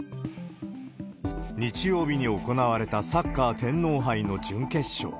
日曜日に行われたサッカー天皇杯の準決勝。